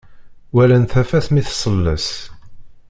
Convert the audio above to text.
Walan tafat mi tselles